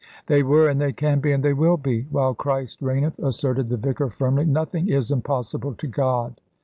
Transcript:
"They were and they can be and they will be, while Christ reigneth," asserted the vicar, firmly; "nothing is impossible to God."